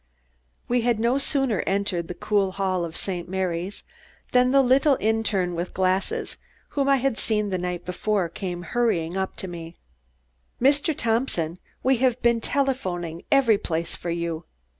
We had no sooner entered the cool hall of St. Mary's than the little interne with glasses, whom I had seen the night before, came hurrying up to me. "Mr. Thompson, we have been telephoning every place for you."